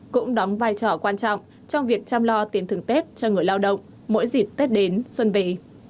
cũng đóng vai trò quan trọng trong việc chăm lo tiền thưởng tết cho người lao động mỗi dịp tết đến xuân về